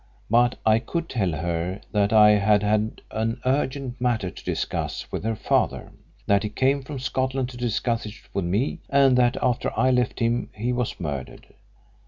But I could tell her that I had had an urgent matter to discuss with her father; that he came from Scotland to discuss it with me, and that after I left him he was murdered.